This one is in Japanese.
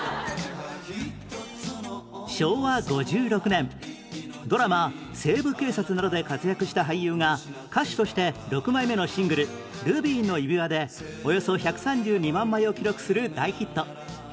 昭和５６年ドラマ『西部警察』などで活躍した俳優が歌手として６枚目のシングル『ルビーの指環』でおよそ１３２万枚を記録する大ヒット